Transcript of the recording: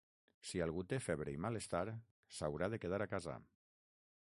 Si algú té febre i malestar, s’haurà de quedar a casa.